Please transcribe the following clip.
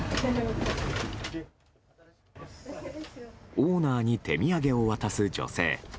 オーナーに手土産を渡す女性。